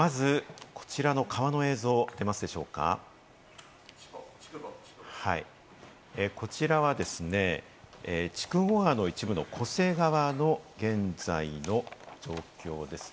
まずこちらの川の映像、こちらは筑後川の一部の巨瀬川の現在の状況です。